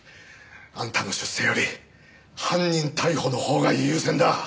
あんたの出世より犯人逮捕のほうが優先だ。